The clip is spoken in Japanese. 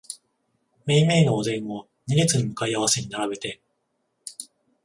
めいめいのお膳を二列に向かい合わせに並べて、